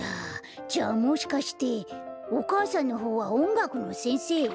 じゃあもしかしておかあさんのほうはおんがくのせんせい？